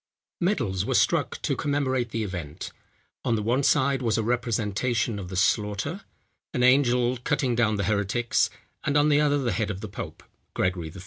Medals were struck to commemorate the event. On the one side was a representation of the slaughter, an angel cutting down the heretics, and on the other, the head of the pope, Gregory XIII.